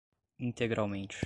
integralmente